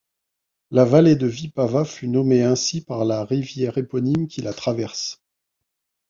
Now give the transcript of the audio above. La vallée de Vipava fut nommée ainsi par la rivière éponyme qui la traverse.